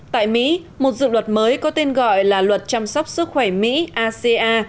tại mỹ một dự luật mới có tên gọi là luật chăm sóc sức khỏe mỹ aca